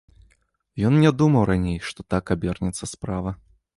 Ён не думаў раней, што так абернецца справа.